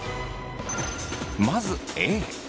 まずＡ。